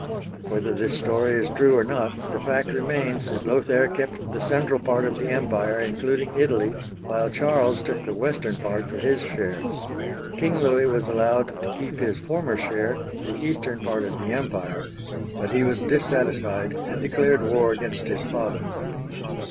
Whether this story is true or not, the fact remains that Lothair kept the central part of the empire, including Italy, while Charles took the western part for his share. King Louis was allowed to keep his former share, the eastern part of the empire ; but he was dissatisfied, and declared war against his father.